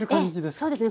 そうですね。